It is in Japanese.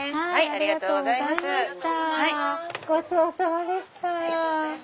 ありがとうございます。